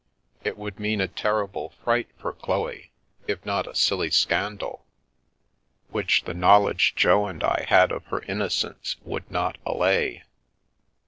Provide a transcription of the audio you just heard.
It would mean a terrible fright for Chloe, if not a silly scandal, which the knowledge Jo and I had of her innocence would not allay.